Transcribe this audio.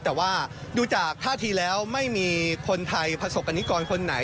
แต่ว่าดูจากท่าทีแล้วไม่มีคนไทยประสบกรณิกรคนไหน